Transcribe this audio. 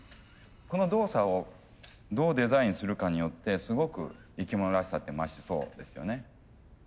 この動作をどうデザインするかによってすごく生き物らしさって増しそうですよね。